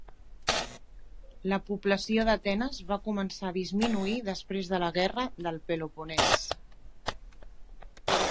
La població d'Atenes va començar a disminuir després de la Guerra del Peloponès.